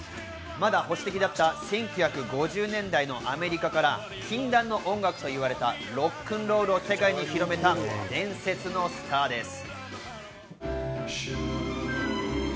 まだ保守的だった１９５０年代のアメリカから禁断の音楽と言われたロックンロールを世界に広めた伝説のスターです。